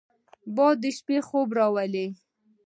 باد د شپې خوب راولي